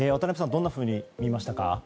どんなふうに見ましたか。